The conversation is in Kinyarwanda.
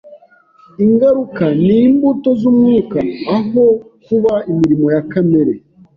Ingaruka ni imbuto z'Umwuka aho kuba imirimo ya kamere